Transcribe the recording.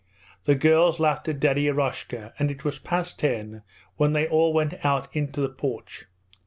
The girls laughed at Daddy Eroshka, and it was past ten when they all went out into the porch.